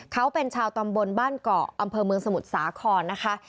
เขาเป็นชาวตำบลบ้านเกาะอำเภอเมืองสมุทรสาครนะคะ